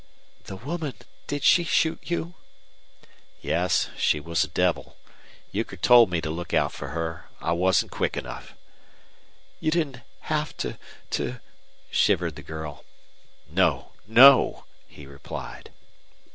"The woman did she shoot you?" "Yes. She was a devil. Euchre told me to look out for her. I wasn't quick enough." "You didn't have to to " shivered the girl. "No! no!" he replied.